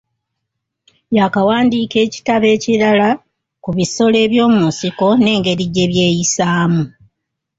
Yaakawandiika ekitabo ekirala ku bisolo eby’omu nsiko n’engeri gye byeyisaamu.